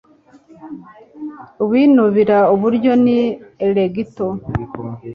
uwinubira iburyo ni Alecto